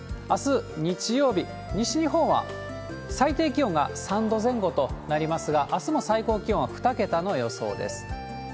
あす日曜日、西日本は最低気温が３度前後となりますが、あすも最高気温は２桁の予想です。